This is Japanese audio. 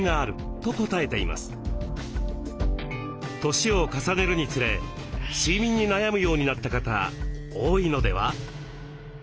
年を重ねるにつれ睡眠に悩むようになった方多いのでは？